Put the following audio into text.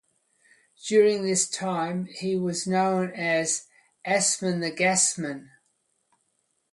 During this time, he was known as "Assman the Gasman".